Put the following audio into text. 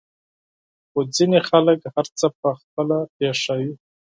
خو ځينې خلک هر څه په خپله پېښوي.